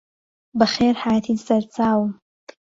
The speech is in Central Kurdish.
بەخێرهاتی سەرچاوم